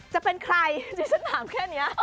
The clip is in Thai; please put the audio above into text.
จะเป็นใครดิฉันถามแค่นี้